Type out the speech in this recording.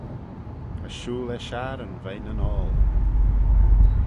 As shooyl er shaghryn veih nyn oayl.